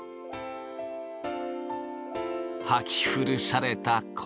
はき古された昴